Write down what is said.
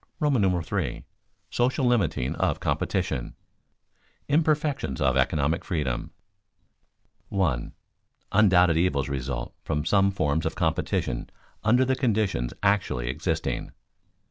§ III. SOCIAL LIMITING OF COMPETITION [Sidenote: Imperfections of economic freedom] 1. _Undoubted evils result from some forms of competition under the conditions actually existing.